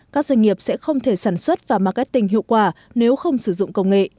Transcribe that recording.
các doanh nghiệp sẽ không thể sản xuất và marketing hiệu quả nếu không sử dụng công nghệ